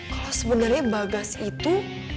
kalau sebenernya bagasnya itu